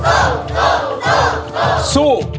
ร้องได้ให้ร้อง